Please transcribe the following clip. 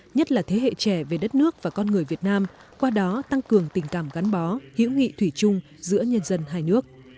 nhất là thế hệ trẻ về đất nước và con người việt nam qua đó tăng cường tình cảm gắn bó hữu nghị thủy chung giữa nhân dân hai nước